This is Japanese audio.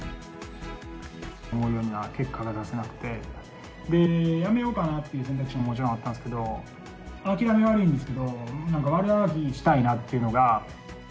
思うようには結果が出せなくて、で、辞めようかなという選択肢ももちろんあったんですけど、諦め悪いんですけど、なんか悪あがきしたいなっていうのが。